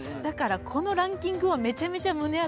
だからこのランキングはめちゃめちゃ胸